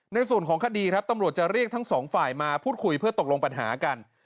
ในส่วนของคดีครับตำรวจจะเรียกทั้งสองฝ่ายมาพูดคุยเพื่อตกลงปัญหากัน